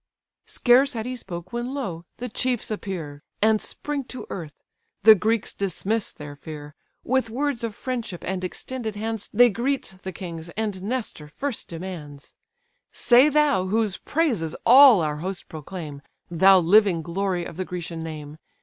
Scarce had he spoke, when, lo! the chiefs appear, And spring to earth; the Greeks dismiss their fear: With words of friendship and extended hands They greet the kings; and Nestor first demands: "Say thou, whose praises all our host proclaim, Thou living glory of the Grecian name!